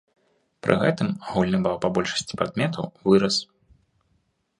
Пры гэтым агульны бал па большасці прадметаў вырас.